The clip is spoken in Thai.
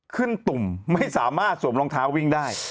ตุ่มไม่สามารถสวมรองเท้าวิ่งได้